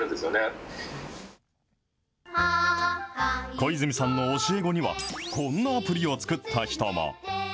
小泉さんの教え子にはこんなアプリを作った人も。